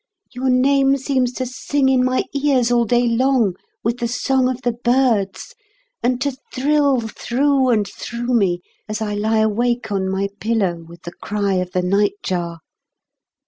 Your name seems to sing in my ears all day long with the song of the birds, and to thrill through and through me as I lie awake on my pillow with the cry of the nightjar.